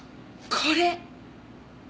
これ！